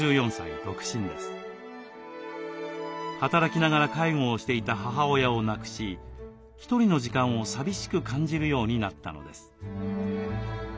働きながら介護をしていた母親を亡くし１人の時間を寂しく感じるようになったのです。